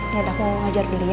yaudah aku ngajar beli ya